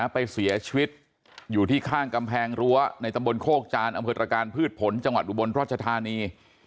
ไปเสียชีวิตอยู่ที่ข้างกำแพงรั้วในตำบลโคกจานอำเภอตรการพืชผลจังหวัดอุบลราชธานี